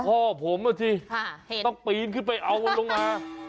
พ่อผมอ่ะสิต้องปีนขึ้นไปเอามันลงมา